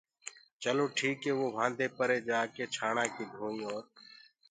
چلو ٺيٚڪي وو وهآنٚدي پري جآڪي ڇآڻآڪي ڌونئيٚ اور